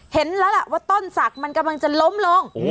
เห็นแล้วล่ะว่าต้นศักดิ์มันกำลังจะล้มลง